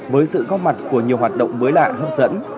với sự góp mặt của nhiều hoạt động mới lạ hấp dẫn